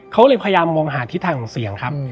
เขาเลยพยายามมองหาทิศทางของเสียงครับ